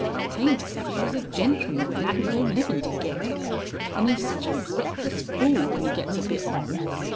"Taint as if 'e was a gentleman and 'adnt no livin' to get. An' 'e's such a reckless fool when 'e gets a bit on.